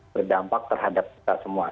berdampak terhadap kita semua